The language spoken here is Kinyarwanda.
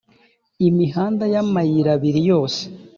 imihanda n’amayirabiri yose